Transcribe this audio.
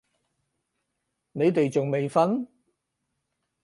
你哋仲未瞓？